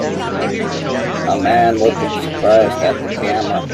A man looking surprised at the camera.